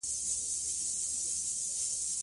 کانديد اکاډميسن عطایي د اخلاقو او ادب ترکیب ښوولی دی.